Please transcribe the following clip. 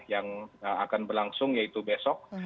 yang akan berlangsung yaitu besok